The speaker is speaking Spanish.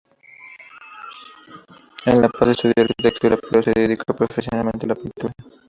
En La Paz estudió arquitectura pero se dedicó profesionalmente a la pintura.